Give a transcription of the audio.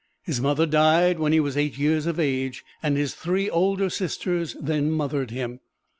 His mother died when he was eight years of age, and his three older sisters then mothered him.